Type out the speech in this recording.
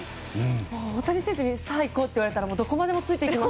大谷選手にさあ、いこう！と言われたらどこまでもついていきます！